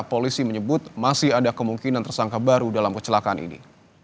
polisi menyebut masih ada kemungkinan tersangka baru dalam kecelakaan ini